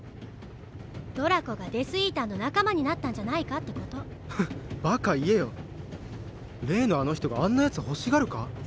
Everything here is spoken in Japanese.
ドラコがデス・イーターの仲間になったんじゃないかってことハハッバカ言えよ例のあの人があんなヤツ欲しがるか？